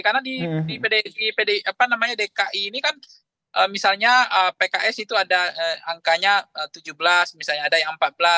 karena di dki ini kan misalnya pks itu ada angkanya tujuh belas misalnya ada yang empat belas